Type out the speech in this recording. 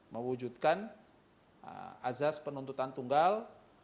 mewujudkan azas penuntutan tunggal